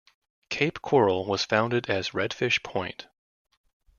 Cape Coral was founded as Redfish point.